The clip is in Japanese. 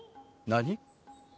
何？